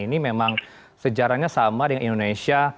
ini memang sejarahnya sama dengan indonesia